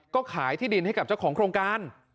ก็ขายที่ดินให้กับเจ้าของโครงการ